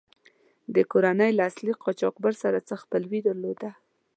دې کورنۍ له اصلي قاچاقبر سره څه خپلوي درلوده.